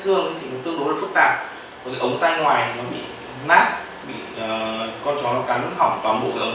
thương thì cũng tương đối phức tạp ống tay ngoài nó bị nát bị con chó nó cắn hỏng toàn bộ cái ống